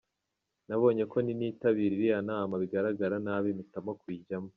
Nabonye ko nintitabira iriya nama biragaragara nabi mpitamo kujyayo.